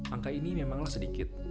angka ini memanglah sedikit